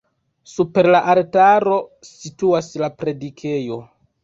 Super la altaro situas la predikejo.